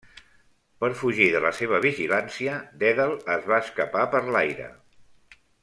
Per fugir de la seva vigilància, Dèdal es va escapar per l'aire.